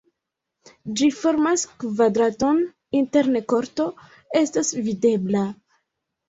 Ĝi formas kvadraton, interne korto estas videbla.